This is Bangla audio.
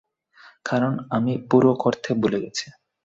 কারণ, আমি পুরো করতে ভুলে গেছি।